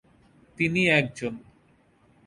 তিনি একজন।